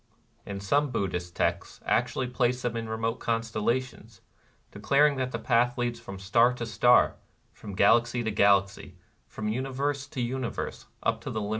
And some Buddhist texts actually place them in remote constellations, — declaring that the Path leads from star to star, from galaxy to galaxy, from universe to universe, up to the Limit of Exist ence.